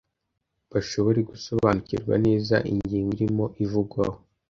bashobore gusobanukirwa neza ingingo irimo ivugwaho